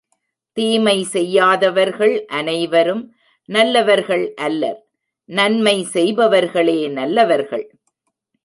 தீமை செய்யாதவர்கள் அனைவரும் நல்லவர்கள் அல்லர் நன்மை செய்பவர்களே நல்லவர்கள்.